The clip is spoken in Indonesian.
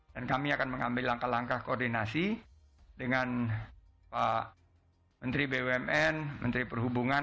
dan kami akan mengambil langkah langkah koordinasi dengan pak menteri bumn menteri perhubungan